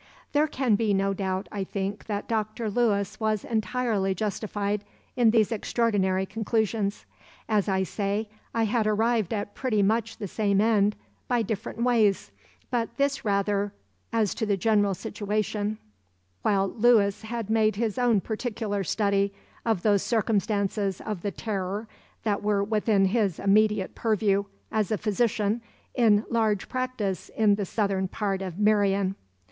There can be no doubt, I think, that Dr. Lewis was entirely justified in these extraordinary conclusions. As I say, I had arrived at pretty much the same end, by different ways; but this rather as to the general situation, while Lewis had made his own particular study of those circumstances of the Terror that were within his immediate purview, as a physician in large practice in the southern part of Meirion.